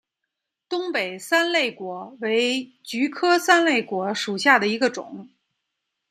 东北三肋果为菊科三肋果属下的一个种。